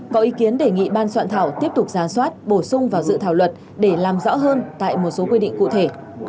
có ý kiến đề nghị ban soạn thảo tiếp tục ra soát bổ sung vào dự thảo luật để làm rõ hơn tại một số quy định cụ thể